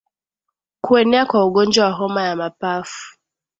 Kuenea kwa ugonjwa wa homa ya mapafu